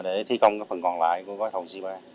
để thi công phần còn lại của gói thầu c ba